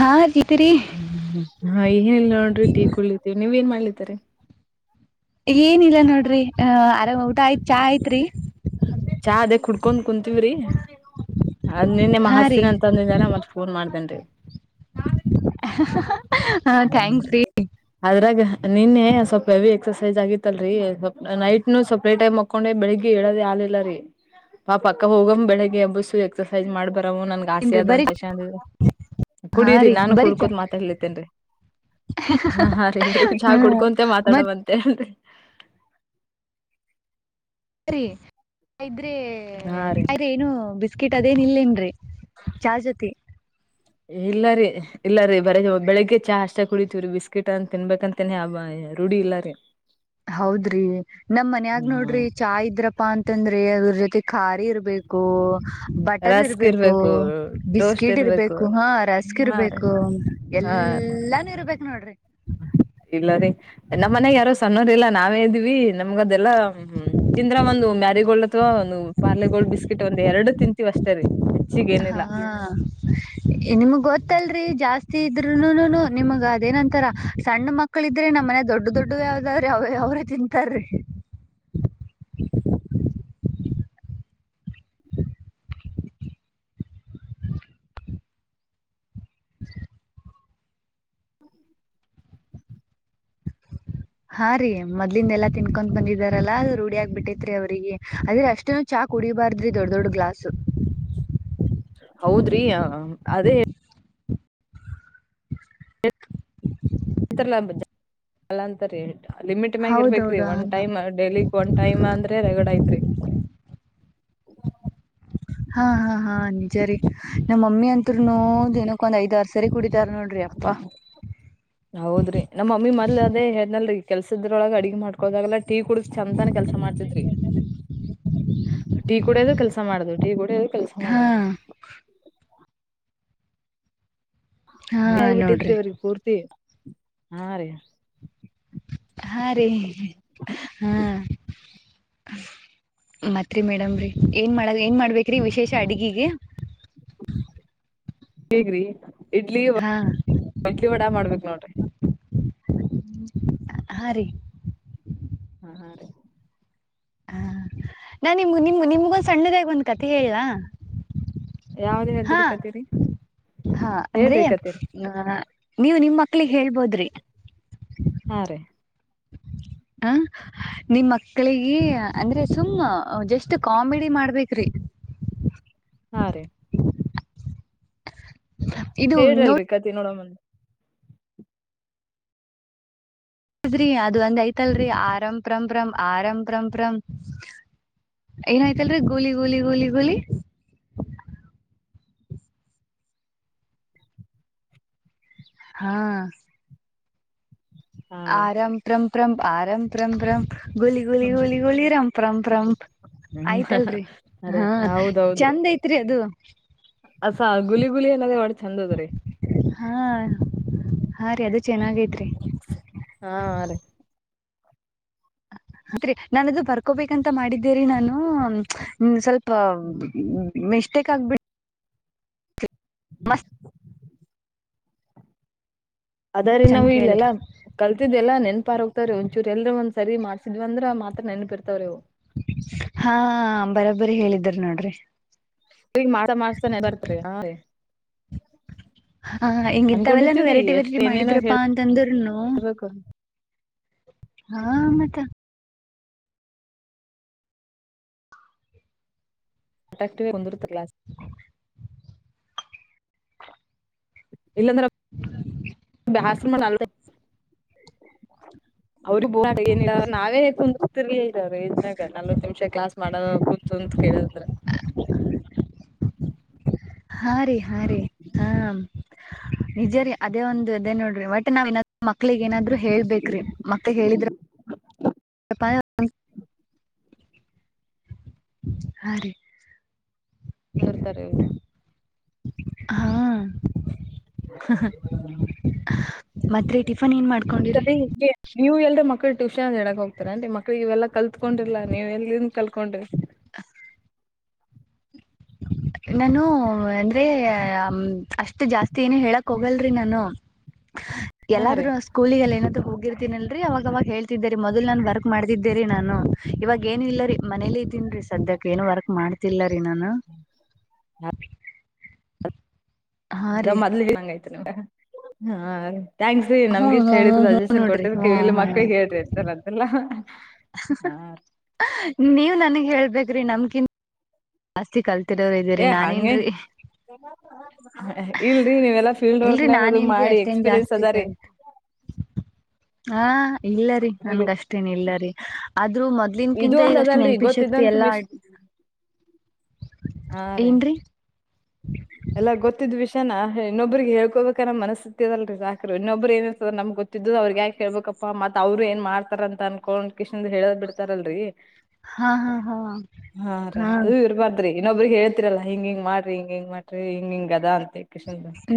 ಹಾ ಜಿತಿರಿ ಹ ಹಾ ಏನಿಲ್ಲ ನೋಡ್ರಿ ಟೀ ಕುಳತಿವಿ ನೀವ್ ಏನ್ ಮಾಡ [unintelligible] ಏನಿಲ್ಲ ನೋಡ್ರಿ ಆ ಆರಾಮ್ ಊಟ ಆಯ್ತ್ ಚಾ ಆಯ್ತ್ರಿ ಚಾ ಅದೇ ಕುಡ್ಕೊ ಕುಂತೀವ್ರಿ ಅದ್ ನಿನ್ನೆ ಹಾ ರೀ ಮಹಸ್ತಿನ ಅಂತಂದ ಮತ್ ಫೋನ್ ಮಾಡ್ತೇನ್ [unintelligible] ಹಾ ಥ್ಯಾಂಕ್ಸ್ ರೀ ಅದ್ರಾಗ ನಿನ್ನೆ ಸ್ವಲ್ಪ ಹೆವಿ ಎಕ್ಸರ್ಸೈಸ್ ಆಗಿತ್ತಲ್ರಿ ಸ್ವಲ್ ನೈಟ್ನು ಸಪ್ರೇಟ್ ಟಮ್ ಹಾಕೊಂಡೆ ಬೆಳಿಗ್ಗೆ ಹೇಳೋದ ಆಲಿಲ್ಲ ರೀ ಪಾಪ ಅಕ್ಕ ಹೋಗ ಬೆಳಿಗ್ಗೆ ಹಬ್ಬಸು ಎಕ್ಸರ್ಸೈಸ್ ಮಾಡ್ಬ ಬರ ನನ್ಗ್ ಆಸೆ ಏನ್ರಿ ಆದ ಬರೀ ಅಂತಷ ಅ ಹಾ ಕುಡೀರಿ ರೀ ನಾನು ಬರೀ ಚಾ ಕುಡ್ಕೋದ್ ಮಾತಾ ಹೇಳಲಿತೇನ್ ಹಾರಿ ಬರಿಗ ಚಾ ಹಾ ಕುಡ್ಕೊಂತ ಮಾತಾಡ ಮಂತೆ [unintelligible] [unintelligible] ಅ ಹಾ ರೀ ಅದೇ ಏನು ಬ್ ಟಿಕಿಟ್ ಅದೇನ್ ಇಲ್ಲೇನ್ರಿ ಚಾರ್ ಜೊತಿ ಇಲ್ಲಾರಿ ಇಲ್ಲಾರಿ ಬರ ಬೆಳಿಗ್ಗೆ ಚಾ ಅಷ್ಟ ಕುಳಿತೀವ್ರೀ ಬಿಸ್ಕಿಟ್ ಅಂತ ತಿನ್ಬೇಕಂತನಿ ಆ ರೂಢಿ ಇಲ್ಲಾರಿ ಹೌದ್ರಿ ನಮ್ ಮನ್ಯಾಗ ನೋಡ್ರಿ ಚಾ ಇದ್ರಪ್ಪ ಪ್ಪಾ ಅಂತಂದ್ರೆ ಅದ್ರ ಜೊತೆ ಖಾರಿ ಇರ್ಬೇಕು ಬಟರ್ ಇರ್ಬೇಕು ಬಿಸ್ಕಿಟ್ ಇರ್ಬೇಕು ಹಾ ರಸ್ಕ್ ಹಾ ರೀ ಇರ್ಬೇಕು ಹಾ ಎಲ್ಲಾನು ಇರ್ಬೇಕು ನೋಡ್ರಿ ಇಲ್ಲ ರೀ ನಮ್ ಮನ್ಯಾಗ ಯಾರೋ ಸಣ್ಣೋರ್ ಇಲ್ಲ ನಾವೇ ಇದೀವಿ ನಮ್ಗ ಅದೆಲ್ಲ ತಿಂದ್ರ ಒಂದು ಮ್ಯಾರಿ ಗೋಲ್ಡ್ ಅಥವಾ ಒಂದು ಪಾರ್ಲೆ ಗೋಲ್ಡ್ ಬಿಸ್ಕಿಟ್ ಒಂದು ಎರಡು ತಿಂತೀವಿ ಅಷ್ಟ ರೀ ಹೆಚ್ಚಿಗ್ ಹಾ ಏನಿಲ್ಲ ನಿಮ್ಗ್ ಗೊತ್ತಲ್ರಿ ಜಾಸ್ತಿ ಇದ್ರುನುನುನು ನಿಮಗ ಅದೇನಂತರ ಸಣ್ಣ ಮಕ್ಳ ಇದ್ರೆ ನಮ್ಮ ಮನಯ ದೊಡ್ಡ ದೊಡ್ಡ ಯಾವ್ದಾವರು ಯಾವ ಯಾವ್ರೇ ತಿಂತಾರ [inaudible] ಹಾ ರೀ ಮೊದ್ಲಿಂದ ಎಲ್ಲ ತಿನ್ಕೊ ಬಂದಿದಾರಲ್ಲಾ ರೂಢಿಯ ಆಗ್ಬ ಬಿಟ್ಟೈತ್ರಿ ಅವ್ರಿಗೆ ಅದ್ರೆ ಅಷ್ಟುನು ಚಾ ಕುಡಿಯಬಾರ್ರಿ ದೊಡ್ ದೊಡ್ ಗ್ಲಾಸ್ ದು ಹೌದ್ರಿ ಯ ಅದೇ [inaudible] [unintelligible] ಲಿಮಿಟ್ ಮ್ಯಾಗ ಇರ್ಬೇಕ್ರಿ ಹೌದೌದಾ ಒನ್ ಟೈಮ್ ಡೈಲಿಕ್ ಒನ್ ಟೈಮ್ ಅಂದ್ರೆ ರಗಡ್ ಐತ್ರಿ ಹಾ ಹಾ ಹಾ ಹ ನಿಜರಿ ನಮ್ಮ ಮಮ್ಮಿ ಅತ್ರುನು ದಿನಕ್ಕ ಒಂದು ಐದಾರ ಸರಿ ಕುಡಿ ಹೌದ್ರಿ ನಮ್ಮಮ್ಮಿ ಮೊದ್ಲ ಅದೇ ಕೆಲಸ ಇದ್ರೊಳಗೆ ಅಡಗೆ ಮಾಡ್ಕೊದಾಗಲ್ಲ ಟೀ ಕುಡ ಚಂತಾನ ಕೆಲ್ಸ ಮಾಡ್ತಿದ್ರಿ ಹಾ ಹಾ ಹ ಬಿಟ್ಟೈತ್ರಿ ನೋಡ್ರಿ ಅವ್ರಗ್ ಪೂರ್ತಿ ಹಾ ರೀ ಹಾ ರೀ ಹಾ ಮತ್ರಿ ಹೇಗ್ರಿ ಇಡ್ಲಿ ಹಾ ಇಡ್ಲಿ ವಡಾ ಮಾಡಬೇಕು ನೋಡ್ರಿ ಹಾ ರೀ ಹಾ ಹಾ ರೀ ಹಾ ನಾ ನಿಮ ನಿಮ್ಮ ಯಾವ್ದ್ ಹಾ ಹೇಳ್ದ್ರಿ ಕತೀರಿ ಹಾ ಅಂದ್ರೆ ಹೇಳ್ರಿ ಕತೀರಿ ಮಕ್ಳಿ ಹೇಳ್ಬೋದ್ರಿ ಹಾ ರೀ ಹ ಹಾ ರೀ ಇದು ಹೇಳಲ್ರಿ ಕಥಿ ದ್ರಿ ಅದು ಒಂದ್ ಹಾ ಹಾ ರೀ ಆರಾಮಪರಂ ರರಂಪ್ ಆರಂ ಪ್ರಂ ರ್ರಂ ಗೊಲಿ ಗೊಲಿ ಹ್ಮ್ ಗೊಲಿ ಗೋಲಿ ಇರಾಮ್ ಪ್ರ್ರಂಪ್ ಪ್ರ ಹ್ಮ್ ಆಯ್ತಲ್ರಿ ಅದೇ ಹ ಹೌದೌದ್ರಿ ಚಂದ್ ಐತ್ರಿ ಅದು [unintelligible] ಹಾ ಹಾ ರೀ ಅದು ಚೆನ್ನಾಗೈತ್ರಿ ಹಾ ರೀ [unintelligible] [unintelligible] ಹ ಹ್ಮ್ ಮ ಟ್ಟೇಕ್ ಆಗ್ಬಿಟ್ಟಿ ಮಸ್ ಅದ ರ ಅಂತ ನಾವು ಇಲ್ಲೆಲ್ಲಾ ಕೇಳಿದ್ರಿ ರಿ ಒಂಚೂರು ಎಲ್ರ ಒಂದ ಸರಿ ಮಾಡಸಿದ್ವಂದ್ರೆ ಮಾತ್ರ ನೆಪರ್ತವ ರ ಹಾ ಬರೋಬ್ಬರಿ ಹೇಳಿದ್ರ ನೋಡ್ರಿ ಈಗ ಮಾಡಾ ಮಾಡತಾನೆ ಬರ್ತ್ ರೀ. ಹಾ ಹಿಂಗ ಇತ್ತವೆಲ್ಲಾನು ಅನ್ಕೊಂಡಿರ್ತಿವ್ರಿ ವೆರೈಟಿ ಎಷ್ಟ್ ವೆರೈಟಿ ಏನೇನೋ ಮಾಡಿದ್ರಪ್ಪಾ ಅಂತಂದ್ರನು. ಹೇಳ್ಬೇಕು ಹಾ ಮತ್ತ. ಅಟಕ್ಟಿವಂದಿ ಕ್ಲಾಸ್. ಇಲ್ಲಾಂದ್ರೆ ಬ್ಯಾಸ್ ಮಲ್ದ ಅವ್ರಿಗೆ ಬ ಏನ ನಾವೇ ಕುಂದ್ರು. ಕುಂತಿರ್ಲಿಲ್ಲ ರೀ ನಲ್ವತ್ ನಿಮಿಷ ಕ್ಲಾಸ್ ಮಾಡ ಕುೂಂತ್ ಕೇಳಂದ್ರ. ಹಾ ರೀ ಹಾ ರೀ ಹಾ. ನಿಜ ರೀ ಅದೇ ಒಂದದು ಇದೇ ನೋಡ್ರಿ ಬಟ್ ನಾವ್ ನಾದ್ರು ಮಕ್ಳಗ್ ಏನಾದ್ರು ಹೇಳ್ಬೇಕ್ರಿ ಮಕ್ಳಗ್ ಹೇಳಿದ್ರ. ಪ ಹ ರೀ. ಕುಂದರ್ತಾರ ಇವ್ರು. ಹಾ. ಮತ್ ರೀ ಟಿಫನ್ ಏನ್ ಮಾಡ್ಕೊಂಡಿರಿ. ಮಕ್ಕಳಗೆ ಟ್ಯೂಷನ್ ಹೇಳಕ್ ಹೋಗ್ತಾರೆ ಅ ಮಕ್ಳಿಗೆ ಇವೆಲ್ಲ ಕಲ್ತ್ಕೊಂಡರ್ಲ ನೀವು ಎಲ್ಲಿಂದ ಕಲ್ಕೊಂಡ್ರಿ ನಾನು ಅಂದ್ರೆ ಅಷ್ಟು ಜಾಸ್ತಿ ಏನು ಹೇಳಕ್ ಹೋಗ. ಹಲ್ರಿ ನಾನು. ಹಾ ರೀ ಎಲ್ಲಾದ್ರೂ ಸ್ಕೂಲಿಗಳಲ್ಲಿ ಏನಾದ್ರು ಹೋಗಿರ್ತೀನಲ್ರರಿ ಅವಾಗವಾಗ ಹೇಳ್ ಹೇಳ್ತಿದ್ದೆ ರೀ ಮೊದಲ್ ನಾನು ವರ್ಕ್ ಮಾಡ್ತಿದ್ದೇ ರೀ ನಾನು ಇವಾಗ ಏನು ಇಲ್ಲ ರೀ ಮನೇಲಿ ಇದ್ದೀನ್ ರೀ ಸದ್ಯಕ್ಕೆ ಏನು ವರ್ಕ್ ಮಾಡ್ತಿಲ್ಲ ರೀ ನಾನು ಹ್ಮ. ಹಾ ಅದ ರೀ ಮೊದಲಿಗೆ ಹಂಗಯತ ನಿಮ್ಮ್ ದಾ. ಹಾ. ಥ್ಯಾಂಕ್ಸ್ ರೀ ಹ್ಮ್ ನಮಗಿಸ್ಟ್ ಹ್ಮ್ ಹೇಳದ್ಕೆ ಹ್ಮ್ ಹ್ಮ್ ಸಜೆಷನ್ ನೋಡ್ರಿ ಕೊಟ್ಟದಿಕ್ಕೇ ಇಲ್ಲಿ ಹ್ಮ್ ಹ್ಮ್ ಮಕ್ಳಿಗೆ ಹೇಳ್ರಿ ಎಂತಲ್ಲ ಅಂತಲ್ಲ. ನೀವ್ ನನ್ಗ್ ಹೇಳ್ಬೇಕ್ರಿ ನಮಕಿಂತ. ಜಾಸ್ತಿ ಕಲ್ತ್. ಏ ಹಂಗಗೆ ಇಲ್ರಿ ನೀವೆಲ್ಲಾ ಫೀಲ್ಡ್ ಇಲ್ರಿ ವರ್ಕ್ನಾಗ ಇದು ನಾನೇನ್ರಿ ಮಾಡಿ ಅಷ್ಟೇನ್ ಎಕ್ಸ್ಪೀರಿಯನ್ಸ್ ಜಾಸ್ತಿ ಅದಾ ರೀ. ಕಲ್ತ್ ಹಾ ಇಲ್ಲರಿ ನನ್ಗ ಅಷ್ಟೇನ್ ಇಲ್ಲರಿ. ಆದ್ರರು ಮೊದ್ಲಿನ್ ಇದು ಕಿಂತ ಈಗ ಒಂದ್ ಅಷ್ಟು ಅದಲ್ರಿ ನೆನಪಿನ ಶಕ್ತಿ ಗೊತ್ತಿದ್ದಂತ ಅಲ್ಲಾ ವಿಷ್ ಇದು ಹಾ ರೀ. ಎಲ್ಲಾ ಗೊತ್ತಿದ್ ವಿಷಯಾನ ಇನ್ನೊಬ್ರಿಗೆ ಹೇಳ್ಕೋಬೇಕನ್ನ ಮನಸ್ಸತ್ತದಲ್ರರಿ ಸಾಕು ಇನ್ನೊಬ್ರು ಏನ ಇರ್ತದ ನಮ್ ಗೊತ್ತಿದ್ದು ಅವ್ರಿಗೆ ಯಾಕ್ ಹೇಳ್ಬೇಕಪ್ಪ ಮತ್ ಅವ್ರು ಏನ್ ಮಾಡ್ತಾರ ಅನ್ಕೊಂಡ್ ಕಿಷ್ಣನ್ದು ಹೇಳದ್ ಬಿಡ್ತಾರಲ್ರರಿ. ಹಾ ಹಾ ಹಾ ಹಾ ರ ಅದು ಇರಬಾರ್ದ್ರಿ. ಇನ್ನೊಬ್ರರಿಗೆ ಹಳ್ತಿರಲ್ಲಾ ಹಿಂಗ್ ಹಿಂಗ್ ಹಿಂಗ್ ಮಾಡ್ರಿ ಹಿಂಗಿ ಮಾಡ್ರಿ. ರೀ ಹಿಂಗ ಹಿಂಗ ಅದ ಅಂತ.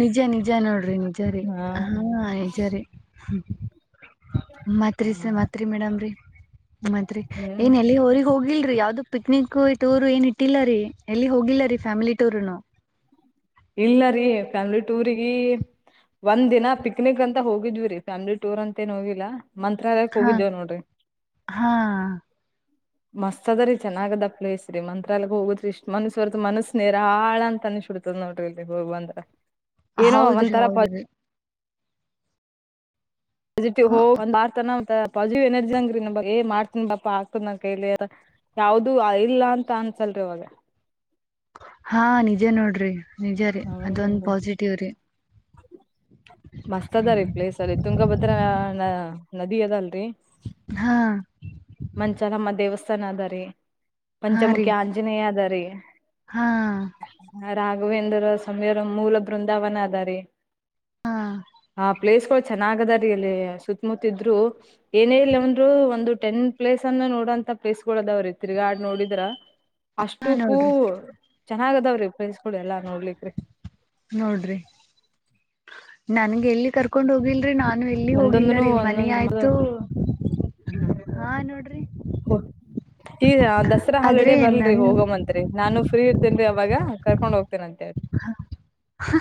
ನಿಜ ನಿಜ ನೋಡ್ರಿ ನಿಜ ರೀ ಹಾ ನಿಜ ರೀ ಮತ್ರಿ ಸ ಮತ್ರಿ ಮೇಡಮ್ ರರಿ ಮತ್ರಿ ಹ್ಮ್ ಏನ್ ಎಲ್ಲಿ ಊರಿಗ್ ಹೋಗಿಲ್ರಿ ಯಾವ್ದು ಪಿಕ್ನಿಕ್ ಟೂರ್ ಏನ್ ಇಟ್ಟಿಲ್ಲ ರೀ ಎಲ್ಲಿ ಹೋಗಿಲ್ಲ ರೀ ಫ್ಯಾಮಿಲಿ ಟೂರ್ನು ಇಲ್ಲ ರರಿ ಫ್ಯಾಮಿಲಿ ಟೂರ್ಗ ಒಂದ್ ದಿನ ಪಿಕ್ನಿಕ್ ಅಂತ ಹೋಗಿದ್ವಿ ರೀ ಫ್ಯಾಮಿಲಿ ಟೂರ್ ಅಂತ ಏನ್ ಹೋಗಿಲ್ಲಾ ಮಂತ್ರಾಲಯಕ್ ಹಾ ಹೋಗಿದ್ದೇವ್ ನೋಡ್ರಿ ಹಾ ಮಸ್ತ್ ಅದ ರೀ ಚೆನ್ನಾಗದ ಪ್ಲೇಸ್ ರೀ ಮಂತ್ರ ಎಲ್ಗ್ ಹೋಗುದ್ರಿ ಇಷ್ಟ್ ಮನ್ಷ್ಯವರ್ತ ಮನಸ್ಸೇರಾಳ ಅನಸ್ಬಿಡತ ನೋಟ್ರಲ್ಲಿ ಹೋಗ್ ಬಂದ್ರ ಏನೋ ಹೌದ್ರಿ ಒಂತರ ಹೌದ್ರಿ ಪಿಟಿವ್ ಹ ಒಂದ್ಾರ್ತನ ಪಾಸಿಟಿವ್ ಎನರ್ಜಿ ಅಂಗ್ರೀ ನ ಏ ಮಾಡ್ತನ್ಿ ಬಾ ಆಾಕ್ತ ನ ಕೈಲಿ ಯಾವ್ದ ಇಲ್ಲ ಅಂತ ಅನ್ಸಲ್ರಿ ಇವಾಗ ಹಾ ನಿಜೇ ನೋಡ್ರಿ ನಿಜ ರೀ ಅದೊಂದು ಹೌದು ಪಾಸಿಟಿವ್ ರೀ ಮಸ್ತ್ ಅದ ರೀ ಪ್ಲೇಸ್ ಅಲ್ಲಿ ತುಂಗಭದ್ರ ನದಿ ಅದಲ್ರಿ ಹಾ ಮಂಚಾಲಮ್ಮ ದೇವಸ್ಥಾನ ಅದ ರ ಹಾ ರೀ ಪಂಚಮುಖ್ಯ ಆಂಜನೇಯ ಅದ ಅ ಹಾ ರಾಘವೇಂದ್ರ ಸಮ್ಯರ ಮೂಲ ಬೃಂದಾವನ ಅದಾರಿ ಹಾ ಹಾ ಪ್ಲೇಸ್ ಗಳು ಚೆನ್ನಾಗದ ರೀ ಇಲ್ಲಿ ಸುತ್ತಮುತ್ತಿದ್ರು ಏನೇ ಇಲ್ಲಂದ್ರು ಒಂದು ಟೆನ್ ಪ್ಲೇಸ್ ಅನ್ನು ನೋಡಂತ ಪ್ಲೇಸ್ಗಳು ಅದಾವ್ರೆ ತಿರ್ಗಾ ಆಡ್ ನೋಡಿದ್ರ ಹಾ ಅಷ್ಟು ಕೂ ನೋಡ್ರಿ ಚೆನ್ನಾಗದಾವ್ರಿ ಸ್ಗಳು ಎಲ್ಲಾ ನೋಡ್ಲಿಕ್್ರೀ ನೋಡ್ರಿ ನನ್ಗೆ ಎಲ್ಲಿ ಕರ್ಕೊಂಡ್ ಹೋಗಿಲ್ರಿ ನಾನ್ ನಾನ ಎಲ್ಲಿ ಹೋಗಿಲ್ಲ ಒಂದೊಂದನು ರೀ ಮನ ಒಂದೊಂದ್ ಆಯ್ತು ಹಾ ನೋಡ್ರಿ ಹ ಈಗ ದಸರಾ ಹಾಲಿಡೇ ಆದ್ರೆ ಬರ್ಲ್ರಿ ನನ್ ಹೋಗಂತ್ರಿ ನಾನು ಫ್ರೀ ಇರ್ತೇನ್ೀ ಅವ ಇವಾಗ ಕರ್ಕೊಂಡ್ ಹೋಗ್ತನೆ ಅಂತೆೇಳ ಹ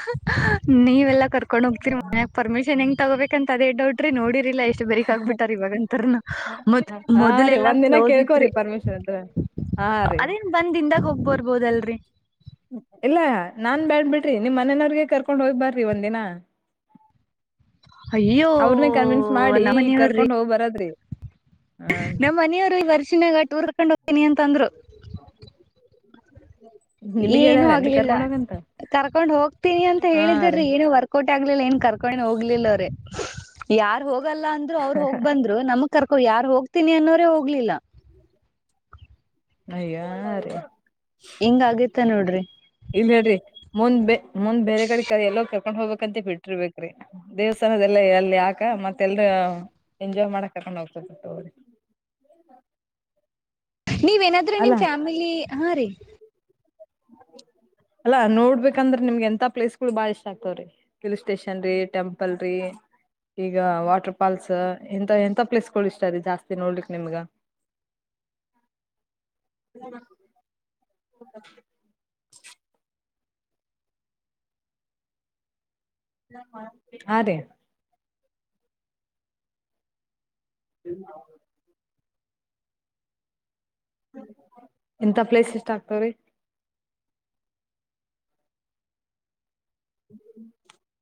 ನೀವವೆಲ್ಲ ಕರ್ಕೊಂಡ್ ಹೋಗ್ತಿೀರಿ ಮನ್ಯಾಗ ಪರ್ಮಿಷನ್ ಹೆಂಗ್ ತಗೋಬೇಕ ಅಂತ ಅದೇ ಡೌಟ್ರಿ ನೋಡಿರಿಲಲ್ಲ ಎಷ್ಟ್ ಬೇೀಕ್ ಆಗ್ಬ ಬಿಟಾರ ಇವಾಗಂತ ಮದ ಹಾ ಮೊದಲೆ ರೀ ಎಲ್ಲಾ ಒಂದ್ ದಿನ ಕ್ಲೋಸ್ ಕೇಳ್ಕೋರಿ ಐತ್ರಿ ಪರ್ಮಿಷನ್ ಹತ್ರ ಹಾ ರೀ ಅದೇನ್ ಬಂದಿಂದಾಗ ಹೋಗ್ಬೋದು ಇರ್ಬೋದಲ್ರರಿ ಇಲ್ಲ ನಾನ್ ಬ್ಯಾಡ್ ಬಿಿಡ್ರಿ ನಿಮ್ ಮನೇನವ್ರಗೆ ಕರ್ಕೊಂಡ್ ಹೋಗ್ಬಾರ್ರಿ ಒಂದ ದಿನ ಅಯ್ಯೋ ಅವ್ರನೇ ಕನ್ವಿನ್ಸ್ ಮಾಡಿ ನಮ್ಮ್ ಈ ಮನಿಯವ್ರಿ ಕರ್ಕೊಂಡ್ ಹೋಗ್ ಬರದ್ರಿ ಹ ನಮ್ಮ್ ಮನಿಯವ್ರು ಈ ವರ್ಷಿನಾಗ ಟೂರ್ ಕಕೊಂಡ ಹೋಗ ಏನಿ ಅಂತಂದರು ಹ ಏನುೂ ಆಗ್ಲಿಲ್ಲ ಕರ್ಕೊಂಡ್ ಹೋಗ್ತೀನಿ ಅಂತ ಹಾ ರೀ ಹೇಳಿದ್ರೀ ಏನು ವರ್ಕೌಟ್ ಆಗ್ಲಿಲ್ಲ ಏನ್ ಕರ್ಕೊಂಡು ಹೋಗ್ಲಿಲ್ಲ್ರೀ ಯಾರ್ ಹೋಗ ಹೋಗಲ್ಲ ಅಂದ್ರು ಅವ್ ಹೋಗ್ ಬಂದ್ರು ನಮಗ್ ಕರ್ಕೋ ಯ ಹೋಗ್ತೀನಿ ಅನ್ನೋರೆೇ ಹೋಗ್ಲಿಲ್ಲ ಅಯ್ಯಾರೀ ಹೆಂಗ್ ಆಗೇತ್ತ ನೋಡ್ರಿ ಇಲ್ ಹೇಳ್ರಿ ಮುಂದ್ ಬ ಮುಂದ್ ಬೇರೆ ಕಡೆ ಕ ಎಲ್ಲೋ ಕರ್ಕೊಂಡ್ ಹೋಗ್ಬೇಕಂತ ಬಿಟ್ರಬೇಕ್ರಿ ದೇವಸ್ಥಾನದೆಲ್ಲ ಎಲ್ಲಿ ಆಾಕ ಮತ್ತ ಎಲ್ರ ಎಂಜಾಯ್ ಮಾಡಕ್ ಕರ್ಕೊಂಡ್ ಹೋಗ್ತ ಬಿಟ್ಟ ಹ್ರಿ ನೀವ ಏನಾದ್ರೆ ನಿಮ್ ಫ್ಯಾಮಿಲಿ ಹಾ ರೀ ಅಲ್ಲಾ ನೋಡ್ಬೇಕಂದ್ರೆ ನಿಮ್ಗೆ ಎಂಂತ ಪ್ಲೇಸ್ಗಳು ಬಾಳ ಇಷ್ಟ ಆಗ್ತವ್ರಿ ಹಿಲ್ ಸ್ಟೇಷನ್ ರೀ ಟೆಂಪಲ್ ರೀ ಈಗ ವಾಟರ್ ಫಾಲ್ಸ್ ಎಂಂತ ಎಂಂತ ಪ್ಲೇಸ್ಗಳು ಇಷ್ಟೀ ಜಾಸ್ತಿ ನೋಡ್ಲಿಕ್ ನಿಮ್ಗ ಹ ಹಾ ರೇ ಹ ಎಂಂತ ಪ್ಲೇಸ್ ಎಷ್ಟ ಆಗ್ತವ್ರೀ ಹ್ಮ